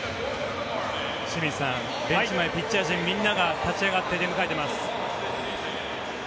清水さん、ベンチ前ピッチャー陣みんなが立ち上がって出迎えています。